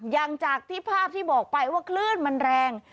อย่างจากที่ภาพที่บอกไปว่าคลื่นมันแรง